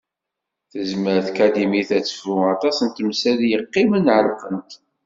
Tezmer tkadimit ad tefru aṭas n temsal yeqqimen ɛelqent.